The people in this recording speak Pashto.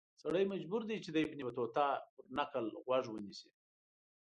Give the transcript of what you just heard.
سړی مجبور دی چې د ابن بطوطه پر نکل غوږ ونیسي.